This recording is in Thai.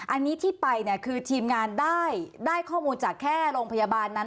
อันนี้ที่ไปเนี่ยคือทีมงานได้ข้อมูลจากแค่โรงพยาบาลนั้น